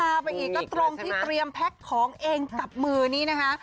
ไปอีกก็ตรงที่เตรียมแพ็คของเองกับมือนี้นะคะ